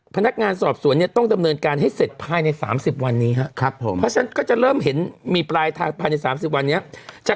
พนักงานสอบสวนเนี่ยต้องตำเนินการให้เสร็จ